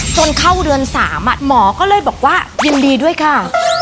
จนเข้าเดือน๓หมอก็เลยบอกว่ายินดีด้วยค่ะ